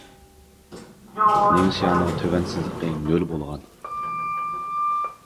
نىڭشيانىڭ تۆۋەن سىزىقى نۆل بولغان.